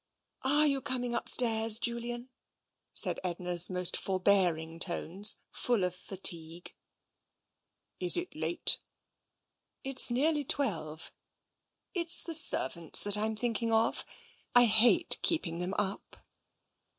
"Are you coming upstairs, Julian?*' said Edna's most forbearing tones, full of fatigue. "Is it late?" " It's nearly twelve. It's the servants that I'm thinking of. I hate keeping them up."